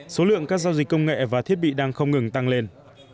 số lượng các giao dịch công nghệ và thiết bị đang không ngừng tăng lên